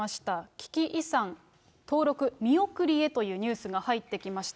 危機遺産登録見送りへというニュースが入ってきました。